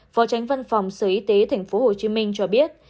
phó tránh văn phòng sở y tế tp hcm cho biết